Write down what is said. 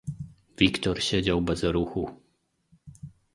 "Wiktor siedział bez ruchu."